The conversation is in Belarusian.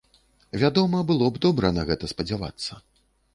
Вядома, было б добра на гэта спадзявацца.